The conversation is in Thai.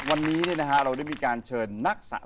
วันนี้เราได้มีการเชิญนักสะสม